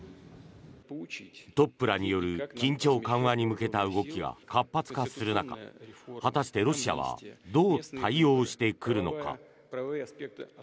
トップらによる緊張緩和に向けた動きが活発化する中果たしてロシアはどう対応してくるのか。